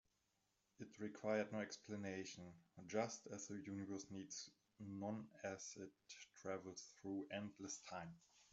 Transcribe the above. It required no explanation, just as the universe needs none as it travels through endless time.